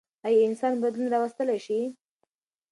ايا انسانان بدلون راوستلی شي؟